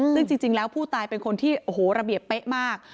ซึ่งจริงแล้วผู้ตายเป็นคนที่โอ้โหระเบียบเป๊ะมาก